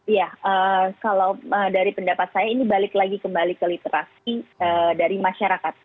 iya kalau dari pendapat saya ini balik lagi kembali ke literasi dari masyarakat